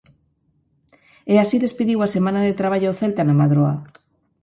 E así despediu a semana de traballo o Celta na Madroa.